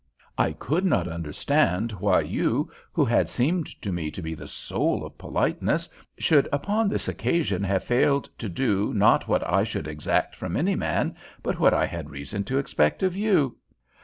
I could not understand why you, who had seemed to me to be the soul of politeness, should upon this occasion have failed to do not what I should exact from any man, but what I had reason to expect of you."